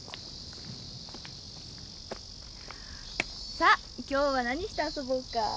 さあ今日は何して遊ぼっか。